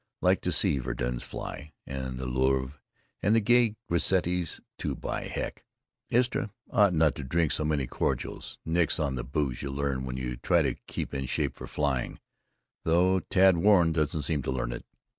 Like to see Vedrines fly, and the Louvre and the gay grisettes too by heck! Istra ought not to drink so many cordials, nix on the booze you learn when you try to keep in shape for flying, though Tad Warren doesn't seem to learn it.